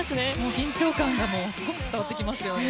緊張感がすごく伝わってきますよね。